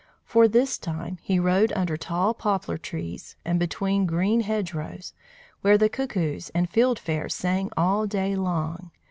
For this time he rode under tall poplar trees and between green hedgerows, where the cuckoos and fieldfares sang all day long.